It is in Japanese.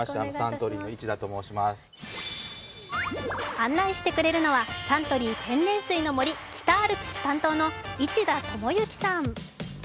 案内してくれるのはサントリー天然水の森、北アルプス担当の市田智之さん。